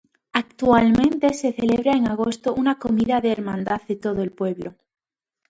Actualmente se celebra en agosto una comida de hermandad de todo el pueblo.